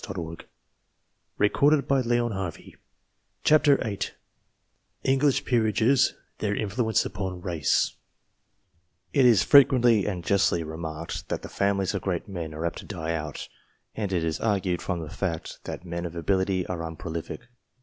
ENGLISH PEERAGES, THEIR INFLUENCE UPON RACE 123 ENGLISH PEEEAGES, THEIE INFLUENCE UPON EACE IT is frequently, and justly, remarked, that the families of great men are apt to die out ; and it is argued from that fact, that men of ability are' unprolific.